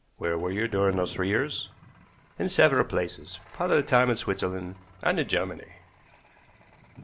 "Where were you during those three years?" "In several places, part of the time in Switzerland, and in Germany."